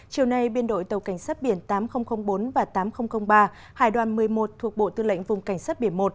chiều nay biên đội tàu cảnh sát biển tám nghìn bốn và tám nghìn ba hải đoàn một mươi một thuộc bộ tư lệnh vùng cảnh sát biển một